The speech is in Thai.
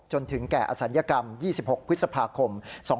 จนถึงแก่อศัลยกรรม๒๖พฤษภาคม๒๕๖